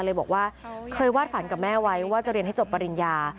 เลยบอกว่าเคยวาดฝันกับแม่ไว้ว่าจะเรียนให้จบปริญญา